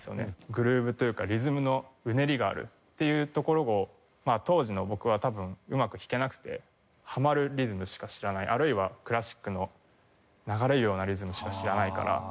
グルーヴというかリズムのうねりがあるっていうところを当時の僕は多分うまく弾けなくてハマるリズムしか知らないあるいはクラシックの流れるようなリズムしか知らないから。